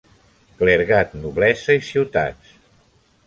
Clergat, noblesa i ciutats.